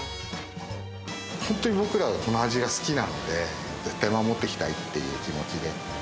本当に僕らがこの味が好きなんで、絶対守っていきたいっていう気持ちで。